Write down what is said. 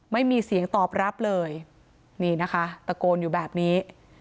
ไม่มีเสียงตอบรับเลยนี่นะคะตะโกนอยู่แบบนี้